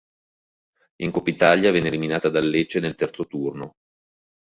In Coppa Italia viene eliminata dal Lecce nel terzo turno.